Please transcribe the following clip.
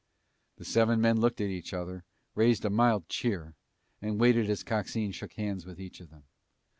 The seven men looked at each other, raised a mild cheer, and waited as Coxine shook hands with each of them.